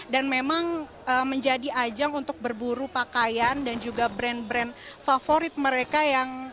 dan memang menjadi ajang untuk berburu pakaian dan juga brand brand favorit mereka yang